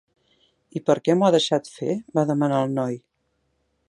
"I per què m'ho ha deixat fer?", va demanar el noi.